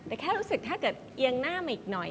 แต่แค่รู้สึกถ้าเกิดเอียงหน้ามาอีกหน่อย